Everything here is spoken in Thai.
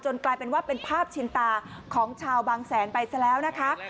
กลายเป็นว่าเป็นภาพชินตาของชาวบางแสนไปซะแล้วนะคะ